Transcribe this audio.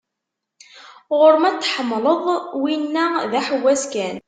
Ɣur-m ad t-tḥemmleḍ, winna d aḥewwas kan.